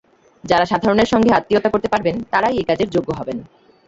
যাঁরা সাধারণের সঙ্গে আত্মীয়তা করতে পারবেন, তাঁরাই এ কাজের যোগ্য হবেন।